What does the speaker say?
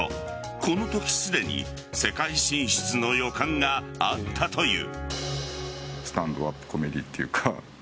このとき、すでに世界進出の予感があったという。